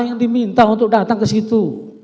yang diminta untuk datang ke situ